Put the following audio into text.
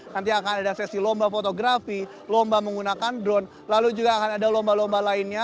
nanti akan ada sesi lomba fotografi lomba menggunakan drone lalu juga akan ada lomba lomba lainnya